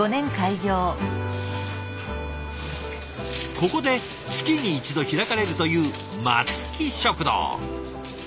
ここで月に１度開かれるという松木食堂。